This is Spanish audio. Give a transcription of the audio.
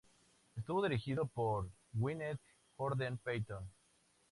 Estuvo dirigido por Gwyneth Horder-Payton.